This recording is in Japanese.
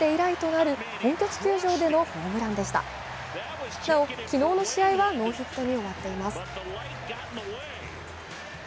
なお、昨日の試合はノーヒットに終わっています。